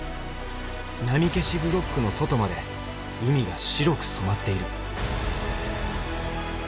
波消しブロックの外まで海が白く染まっている。